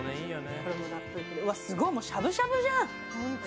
すごい、しゃぶしゃぶじゃん。